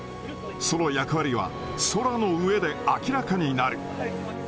その役割は、空の上で明らかになる。